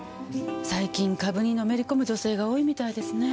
最近株にのめり込む女性が多いみたいですね。